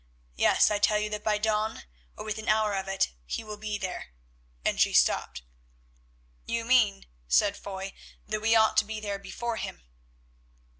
Yes, I tell you that by dawn, or within an hour of it, he will be there," and she stopped. "You mean," said Foy, "that we ought to be there before him."